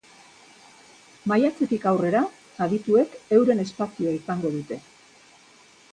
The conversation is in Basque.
Maiatzetik aurrera, adituek euren espazioa izango dute.